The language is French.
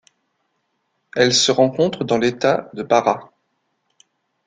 Elle se rencontre dans l’État de Pará.